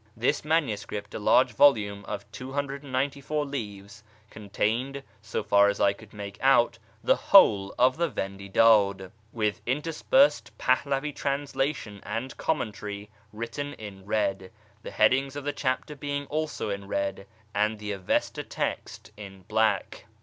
This manuscript, a large volume of 294 leaves, contained, so far as I could make out, the whole of the Vendidad, with interspersed Pahlavi translation and commentary written in red, the headings of the chapters being also in red, and the Avesta text in black.